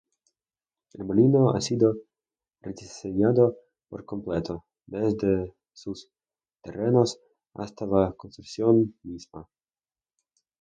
El molino ha sido rediseñado por completo, desde sus terrenos hasta la construcción misma.